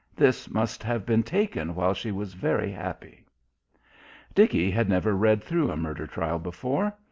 This must have been taken while she was very happy. Dickie had never read through a murder trial before.